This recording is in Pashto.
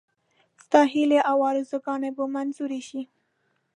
ستا هیلې او آرزوګانې به منظوري شي.